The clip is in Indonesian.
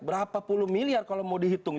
berapa puluh miliar kalau mau dihitung